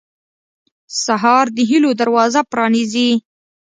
سهار د هيلو دروازه پرانیزي.